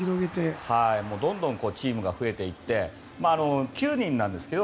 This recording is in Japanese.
どんどんチームが増えていって９人なんですけど。